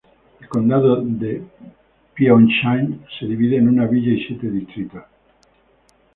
El condado de Pieonchang se divide en una villa y siete distritos.